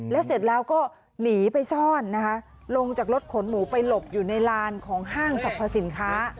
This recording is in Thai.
แล้วเสร็จแล้วก็หนีไปซ่อนนะคะลงจากรถขนหมูไปหลบอยู่ในลานของห้างสรรพสินค้า